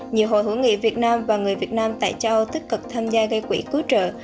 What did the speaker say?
nhiều hội hữu nghị việt nam và người việt nam tại châu tích cực tham gia gây quỹ cứu trợ